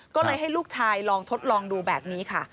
ก็เลยให้ลูกชายลองทดลองดูแบบนี้ค่ะ